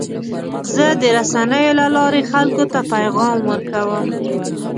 زه د رسنیو له لارې خلکو ته پیغام ورکوم.